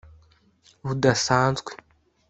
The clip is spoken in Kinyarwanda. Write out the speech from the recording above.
budasanzwe